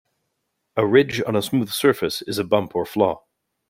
A ridge on a smooth surface is a bump or flaw.